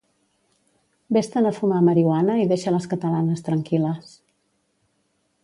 Vés-te'n a fumar marihuana i deixa les catalanes tranquil·les.